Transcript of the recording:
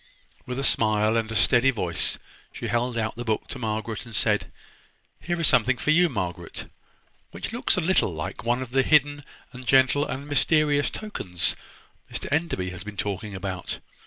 With a smile and a steady voice she held out the book to Margaret, and said: "Here is something for you, Margaret, which looks a little like one of the hidden, and gentle, and mysterious tokens Mr Enderby has been talking about.